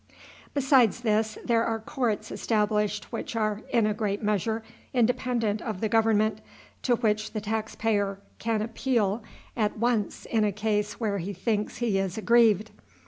Besides this, there are courts established which are, in a great measure, independent of the government, to which the tax payer can appeal at once in a case where he thinks he is aggrieved.